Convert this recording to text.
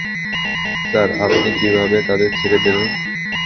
Sir, আপনি কিভাবে তাদের ছেড়ে দিলেন?